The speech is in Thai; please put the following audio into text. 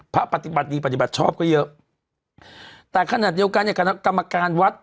ปฏิบัติดีปฏิบัติชอบก็เยอะแต่ขณะเดียวกันในคณะกรรมการวัด